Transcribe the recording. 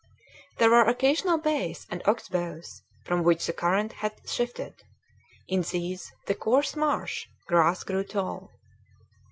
There were occasional bays and ox bows from which the current had shifted. In these the coarse marsh grass grew tall.